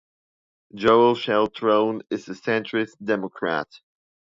Joel Sheltrown is a centrist Democrat.